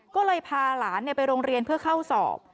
ก็เลยพาหลานไปโรงเรียนเพื่อเข้าสอบ